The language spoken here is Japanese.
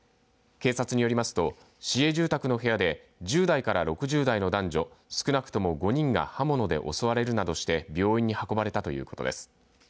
警察によりますと市営住宅の部屋で１０代から６０代の男女少なくとも５人が刃物で襲われるなどして病院に運ばれたということです。